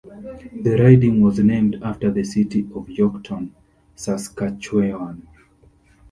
The riding was named after the city of Yorkton, Saskatchewan.